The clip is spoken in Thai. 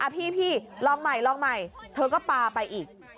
พี่ลองใหม่เธอก็ปลาไปอีก